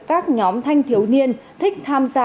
các nhóm thanh thiếu niên thích tham gia